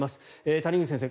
谷口先生